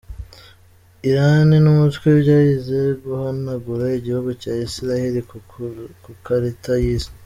Irani numutwe byahize guhanagura Igihugu cya Isiraheli kukarita y’Isi